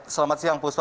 selamat siang puspa